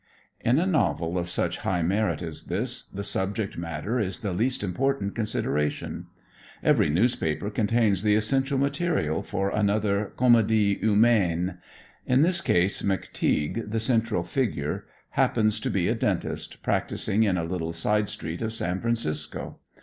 In a novel of such high merit as this, the subject matter is the least important consideration. Every newspaper contains the essential material for another "Comedie Humaine." In this case "McTeague," the central figure, happens to be a dentist practicing in a little side street of San Francisco.